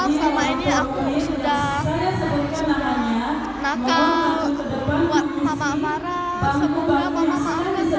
aku sudah nakal buat mama marah semoga mama maafkan saya